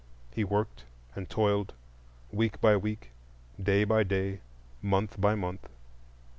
He worked and toiled, week by week, day by day, month by month.